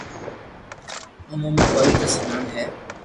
اومون پوتير سنان -